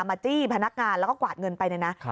จี้พนักงานแล้วก็กวาดเงินไปเนี่ยนะ